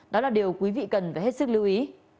đó là điều quý vị cần phải hết sức lưu ý